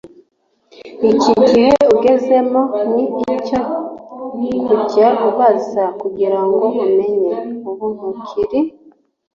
iki gihe ugezemo ni icyo kujya ubaza kugira ngo umenye. ubu ntukiri